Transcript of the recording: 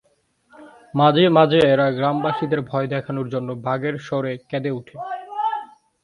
মাঝে মাঝে এরা গ্রামবাসীদের ভয় দেখানোর জন্য বাঘের স্বরে কেঁদে উঠে।